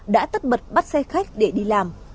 đã tất mật bắt xe khách để đi làm